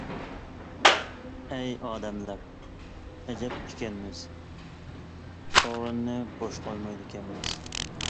ئەي ئادەملەر، ئەجەب ئىكەنمىز، سورۇننى بوش قويمايدىكەنمىز.